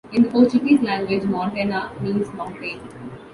In the Portuguese language, "montanha" means "mountain".